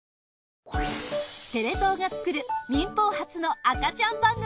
テレ東が作る民放初の赤ちゃん番組。